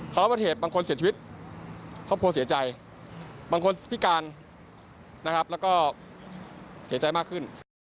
เขารับประเหตุบางคนเสียชีวิตครอบครัวเสียใจบางคนพิการนะครับแล้วก็เสียใจมากขึ้น